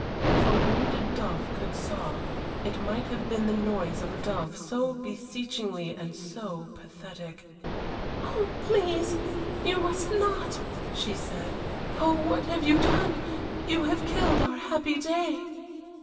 If a wounded dove could sob, it might have been the noise of a dove, so beseeching and so pathetic. "Oh, please you must not," she said. "Oh, what have you done! you have killed our happy day."